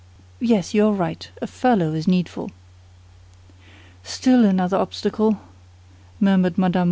Yes, you are right; a furlough is needful." "Still another obstacle," murmured Mme.